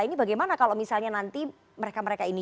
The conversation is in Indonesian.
ini bagaimana kalau misalnya nanti mereka mereka ini